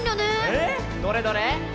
ええ⁉どれどれ。